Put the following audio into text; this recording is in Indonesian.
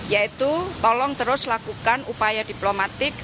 yaitu tolong terus lakukan upaya diplomatik